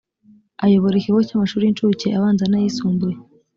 ayobora ikigo cy’ amashuri y’ incuke abanza n ‘ayisumbuye